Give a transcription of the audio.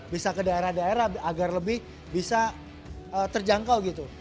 bisa ke daerah daerah agar lebih bisa terjangkau gitu